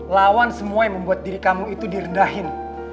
lawan semua yang membuat diri kamu itu direndahin